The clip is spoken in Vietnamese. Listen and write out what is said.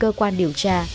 cơ quan điều tra